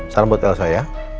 salam buat elsa ya